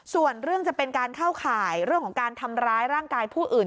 ส่วนเรื่องจะเป็นการเข้าข่ายเรื่องของการทำร้ายร่างกายผู้อื่น